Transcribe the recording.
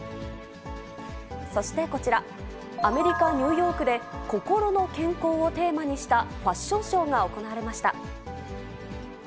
そしてこちら、アメリカ・ニューヨークで、心の健康をテーマにしたファッションショーが行われました。